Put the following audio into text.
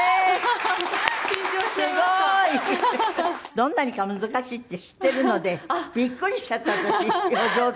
どんなにか難しいって知っているのでびっくりしちゃった私お上手なんで。